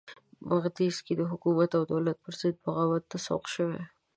بغدیس کې د حکومت او دولت پرضد بغاوت ته سوق شوي.